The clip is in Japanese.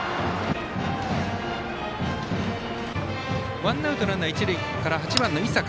ワンアウトランナー、一塁から井坂。